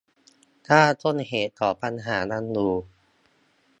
ถ้าต้นเหตุของปัญหายังอยู่